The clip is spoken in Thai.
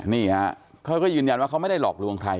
นี่ฮะเขาก็ยืนยันว่าเขาไม่ได้หลอกลวงใคร